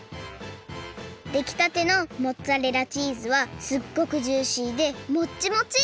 できたてのモッツァレラチーズはすっごくジューシーでモッチモチ！